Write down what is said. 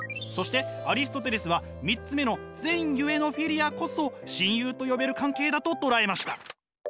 そしてアリストテレスは３つ目の善ゆえのフィリアこそ親友と呼べる関係だと捉えました。